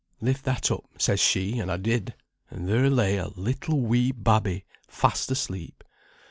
'Lift that up,' says she, and I did; and there lay a little wee babby fast asleep.